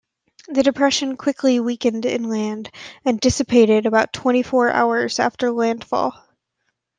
The depression quickly weakened inland, and dissipated about twenty-four hours after landfall.